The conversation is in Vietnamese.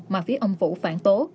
mà phía ông vũ phản tố